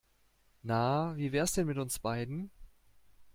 Na, wie wär's denn mit uns beiden?